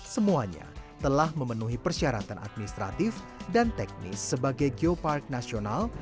semuanya telah memenuhi persyaratan administratif dan teknis sebagai geopark nasional